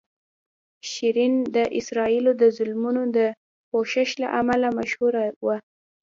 شیرین د اسرائیلو د ظلمونو د پوښښ له امله مشهوره وه.